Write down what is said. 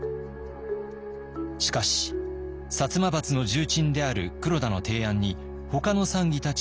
しかし摩閥の重鎮である黒田の提案に他の参議たちが賛同。